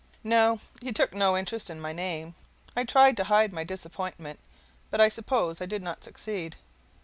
No, he took no interest in my name. I tried to hide my disappointment, but I suppose I did not succeed.